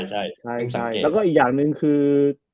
ใช่แล้วก็อีกอย่างหนึ่งคือ